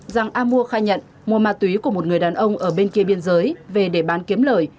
giàng a mua khai nhận mua ma túy của một người đàn ông ở bên kia biên giới về để bán kiếm lời